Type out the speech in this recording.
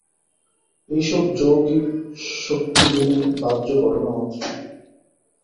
এইসব যৌগিক শক্তিগুলি বাহ্য ঘটনা মাত্র।